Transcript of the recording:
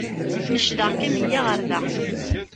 Necdeɣ-kem iyya ɣer da.